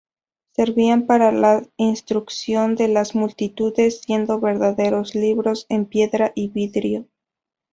Servían para la instrucción de las multitudes, siendo verdaderos libros en piedra y vidrio.